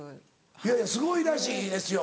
いやいやすごいらしいですよ。